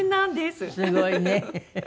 すごいね。